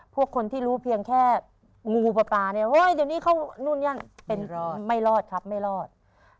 พวกคนที่รู้เพียงแค่งูปลาเนี่ยเฮ้ยเดี๋ยวนี้เข้านู่นยังเป็นรอยไม่รอดครับไม่รอด